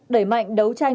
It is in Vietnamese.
đẩy mạnh đấu tranh